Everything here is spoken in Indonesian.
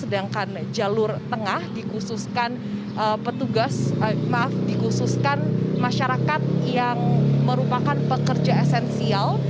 sedangkan jalur tengah dikhususkan petugas maaf dikhususkan masyarakat yang merupakan pekerja esensial